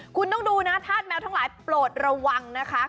คุณต้องดูนะธาตุแมวทั้งหลายโปรดระวังนะคะ